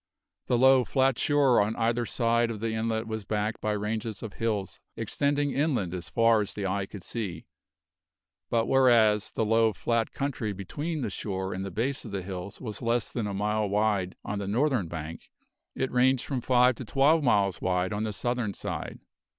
The low, flat shore on either side of the inlet was backed by ranges of hills extending inland as far as the eye could see, but whereas the low, flat country between the shore and the base of the hills was less than a mile wide on the northern bank, it ranged from five to twelve miles wide on the southern side.